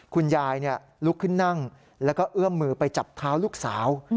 คุณยายลุกขึ้นนั่งแล้วก็เอื้อมมือไปจับเท้าลูกสาว